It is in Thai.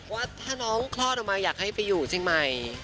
ว่าถ้าน้องคลอดออกมาอยากให้ไปอยู่เชียงใหม่